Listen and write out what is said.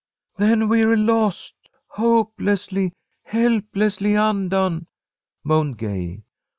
"Then we're lost! Hopelessly, helplessly undone!" moaned Gay.